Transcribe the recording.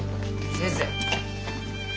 先生！